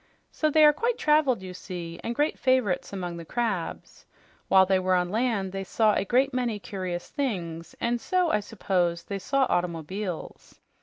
So they are quite traveled, you see, and great favorites among the crabs. While they were on land they saw a great many curious things, and so I suppose they saw automobiles."